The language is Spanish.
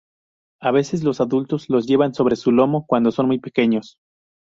A veces los adultos los llevan sobre su lomo cuando son muy pequeños.